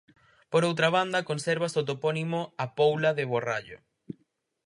Por outra banda, consérvase o topónimo A Poula de Borrallo.